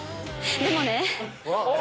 でもね！